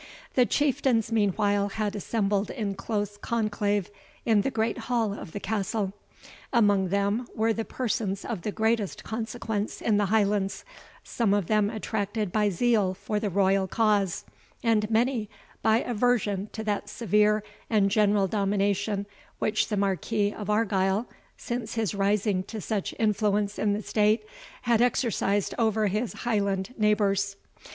The Chieftains meanwhile had assembled in close conclave in the great hall of the castle. Among them were the persons of the greatest consequence in the Highlands, some of them attracted by zeal for the royal cause, and many by aversion to that severe and general domination which the Marquis of Argyle, since his rising to such influence in the state, had exercised over his Highland neighbours.